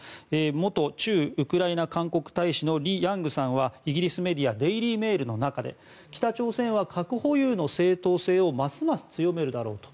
元駐ウクライナ韓国大使のリ・ヤングさんはイギリスメディアデイリー・メールの中で北朝鮮は核保有の正当性をますます強めるだろうと。